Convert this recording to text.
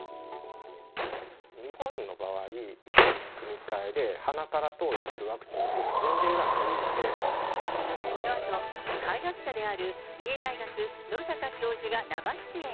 日本の場合、遺伝子組み換えで鼻から投与するワクチンというこのあと、開発者である三重大学、野阪教授が生出演。